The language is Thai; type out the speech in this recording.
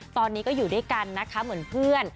ตอนนี้ก็อยู่ด้วยกันนะคะเหมือนเพื่อน